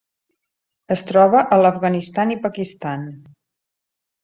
Es troba a l'Afganistan i Pakistan.